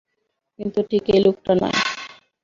কিন্তু ঠিক এই লোকটা নয়।